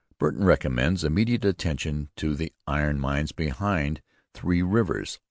Burton recommends immediate attention to the iron mines behind Three Rivers.